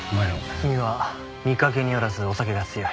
君は見かけによらずお酒が強い。